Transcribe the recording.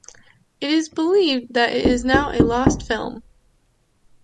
It is believed that it is now a lost film.